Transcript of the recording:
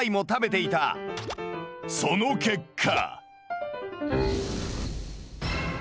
その結果。